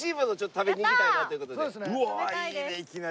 うわいいねいきなり。